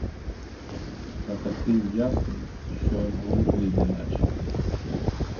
Та такий ясний, що аж голубий неначе.